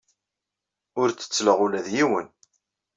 Ur ttettleɣ ula d yiwen.